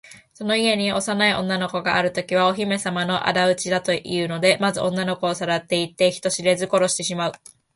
その家に幼い女の子があるときは、お姫さまのあだ討ちだというので、まず女の子をさらっていって、人知れず殺してしまう。